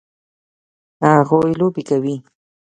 هغوی لوبې کوي